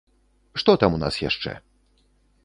Што там у нас яшчэ?